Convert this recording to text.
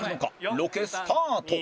ロケスタート